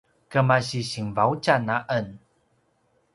kemasi sinvaudjan a en